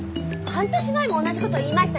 半年前も同じこと言いましたよ！